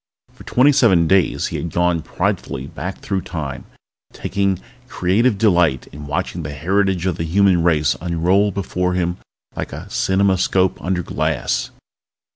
For twenty seven days he had gone pridefully back through Time, taking creative delight in watching the heritage of the human race unroll before him like a cineramoscope under glass.